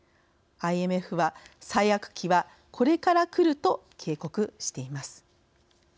ＩＭＦは「最悪期は、これから来る」と警告しています。